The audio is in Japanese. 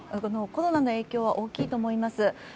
コロナの影響は大きいと思います。